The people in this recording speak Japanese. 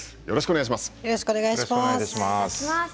よろしくお願いします。